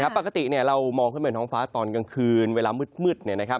ปกติเรามองขึ้นไปท้องฟ้าตอนกลางคืนเวลามืด